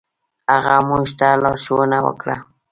هغه موږ ته لارښوونه وکړه.